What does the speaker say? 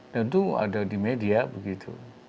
tentu ada di media begitu